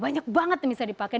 banyak banget yang bisa dipakai